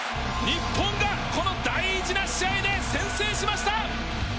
日本がこの大事な試合で先制しました！